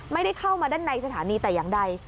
ไม่ได้เข้ามาด้านในสถานีแต่อย่างใด